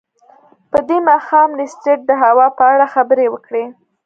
په دې ماښام لیسټرډ د هوا په اړه خبرې وکړې.